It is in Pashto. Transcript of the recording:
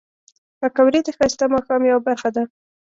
پکورې د ښایسته ماښام یو برخه ده